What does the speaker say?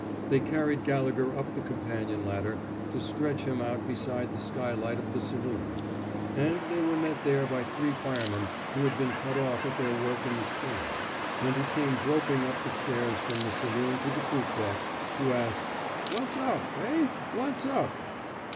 They carried Gallegher up the companion ladder to stretch him out beside the skylight of the saloon; and they were met there by three firemen who had been cut off at their work in the stem, and who came groping up the stairs from the saloon to the poop deck, to ask, '' What's up? Eh? What's up?